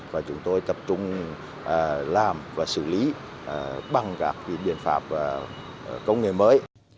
và chúng tôi tập trung làm và xử lý bằng các biện pháp công nghệ mới